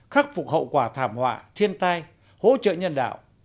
khắc phục hậu quả thảm họa thiên tai hỗ trợ nhân đạo